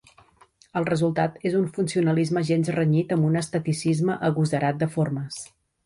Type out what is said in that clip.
El resultat és un funcionalisme gens renyit amb un esteticisme agosarat de formes.